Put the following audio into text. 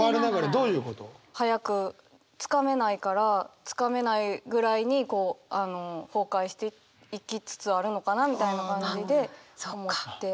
早く掴めないから掴めないぐらいに崩壊していきつつあるのかなみたいな感じで思って。